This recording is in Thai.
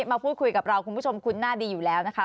มาพูดคุยกับเราคุณผู้ชมคุ้นหน้าดีอยู่แล้วนะคะ